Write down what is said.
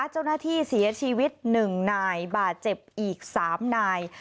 ขณะที่เสียชีวิต๑นายบาดเจ็บอีก๓นาย